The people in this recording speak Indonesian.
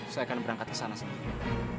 saya akan berangkat ke sana semuanya